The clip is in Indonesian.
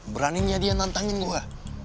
beraninya dia nantangin gue